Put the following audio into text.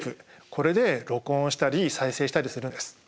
これで録音したり再生したりするんです。